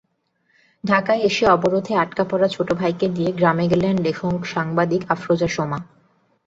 ঢাকায় এসে অবরোধে আটকে পড়া ছোট ভাইকে নিয়ে গ্রামে গেলেন লেখক-সাংবাদিক আফরোজা সোমা।